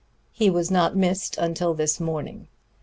He was not missed until this morning.